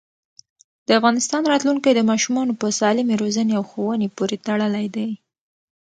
د افغانستان راتلونکی د ماشومانو په سالمې روزنې او ښوونې پورې تړلی دی.